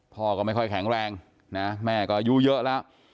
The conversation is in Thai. พ่อก็ไม่ค่อยแข็งแรงนะแม่ก็อายุเยอะแล้ว